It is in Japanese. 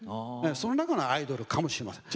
その中のアイドルかもしれません。